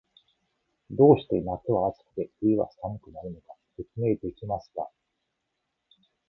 どうして夏は暑くて、冬は寒くなるのか、説明できますか？